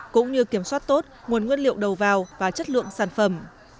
cũng như kiểm soát tốt nguồn nguyên liệu đầu vào và chất lượng sản phẩm